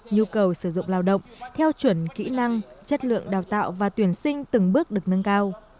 nhu cầu sử dụng lao động theo chuẩn kỹ năng chất lượng đào tạo và tuyển sinh từng bước được nâng cao